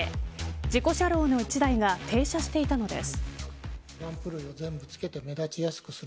事故車両の１台が停車していたのです。